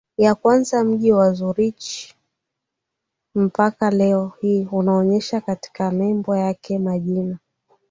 ya kwanza Mji wa Zurich mpaka leo hii unaonyesha katika nembo yake majina